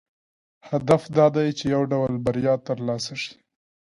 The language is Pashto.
هدف دا دی چې یو ډول بریا ترلاسه شي.